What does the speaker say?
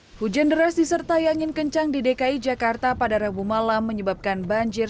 hai hujan deras disertai angin kencang di dki jakarta pada rabu malam menyebabkan banjir